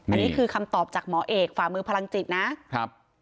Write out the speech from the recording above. อันนี้คือคำตอบจากหมอเอกฝ่ามือพลังจิตนะครับ